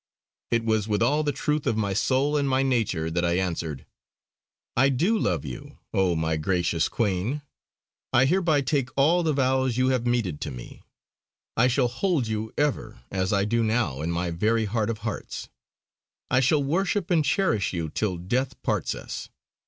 It was with all the truth of my soul and my nature that I answered: "I do love you, oh, my gracious Queen. I hereby take all the vows you have meted to me. I shall hold you ever, as I do now, in my very heart of hearts. I shall worship and cherish you till death parts us.